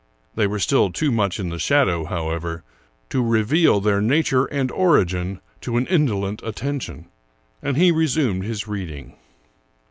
They were still too much in the shadow, however, to reveal their nature and origin to an indolent attention, and he resumed his reading.